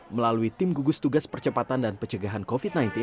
melalui tim gugus tugas percepatan dan pencegahan covid sembilan belas